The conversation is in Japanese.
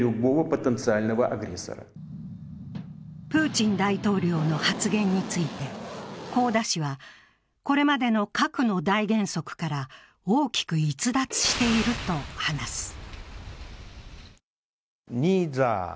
プーチン大統領の発言について、香田氏はこれまでの核の大原則から大きく逸脱していると話す。